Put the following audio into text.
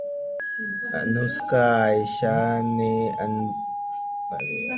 अनुष्का-आयशा में अनबन की वजह से टीम से बाहर हुए शिखर धवन?